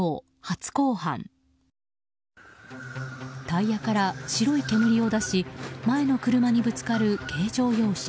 タイヤから白い煙を出し前の車にぶつかる軽乗用車。